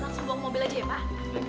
langsung buang mobil aja ya pak